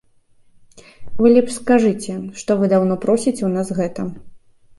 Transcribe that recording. Вы лепш скажыце, што вы даўно просіце ў нас гэта.